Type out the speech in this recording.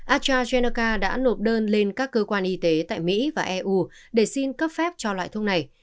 astrazenoca đã nộp đơn lên các cơ quan y tế tại mỹ và eu để xin cấp phép cho loại thuốc này